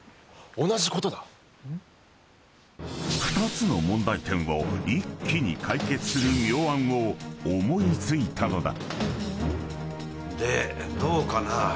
［２つの問題点を一気に解決する妙案を思い付いたのだ］